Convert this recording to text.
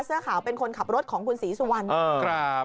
เสื้อขาวเป็นคนขับรถของคุณศรีสุวรรณ